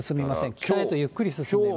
北へとゆっくり進みます。